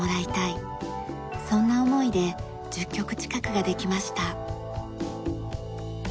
そんな思いで１０曲近くができました。